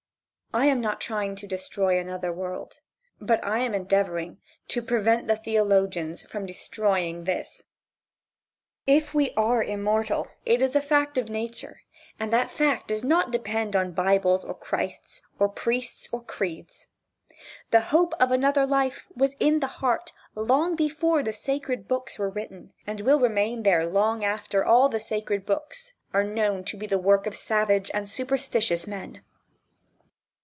I am not trying to destroy another world, but I am endeavoring to prevent the theologians from destroying this. If we are immortal it is a fact in nature, and that fact does not depend on bibles, or Christs, or priests or creeds. The hope of another life was in the heart, long before the "sacred books" were written, and will remain there long after all the "sacred books" are known to be the work of savage and superstitious men.